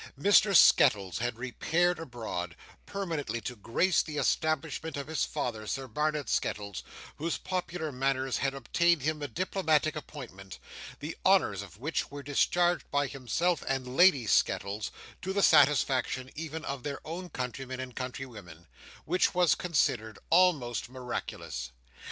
Mr Skettles had repaired abroad, permanently to grace the establishment of his father Sir Barnet Skettles, whose popular manners had obtained him a diplomatic appointment, the honours of which were discharged by himself and Lady Skettles, to the satisfaction even of their own countrymen and countrywomen: which was considered almost miraculous.